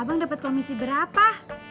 abang dapat komisi berapa